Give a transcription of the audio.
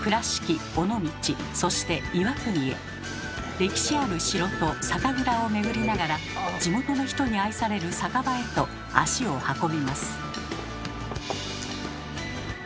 歴史ある城と酒蔵を巡りながら地元の人に愛される酒場へと足を運びます。